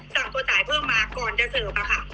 สั่งตัวจ่ายเพิ่มมาก่อนจะเสิร์ฟค่ะ